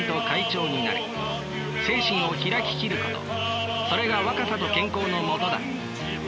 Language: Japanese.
精神をひらききることそれが若さと健康のもとだ。